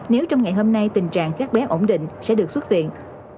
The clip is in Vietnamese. nếu trong ngày hôm nay tình trạng các bé ổn định sẽ được xuất viện